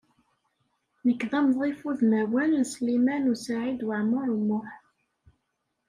Nekk d amḍif udmawan n Sliman U Saɛid Waɛmaṛ U Muḥ.